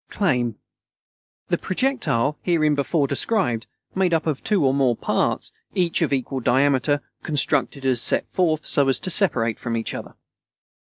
Claim The projectile hereinbefore described, made up of two or more parts, each of equal diameter, constructed as set forth so as to separate from each other.